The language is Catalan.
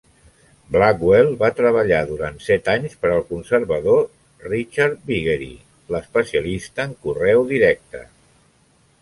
Blackwell va treballar durant set anys per al conservador Richard Viguerie, l'especialista en correu directe.